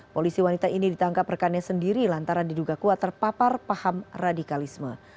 polisi wanita ini ditangkap rekannya sendiri lantaran diduga kuat terpapar paham radikalisme